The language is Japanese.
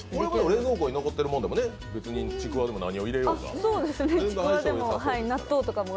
冷蔵庫に残っているものでも別にちくわでも何でも。